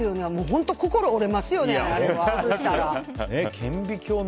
本当、心折れますよね折れたら。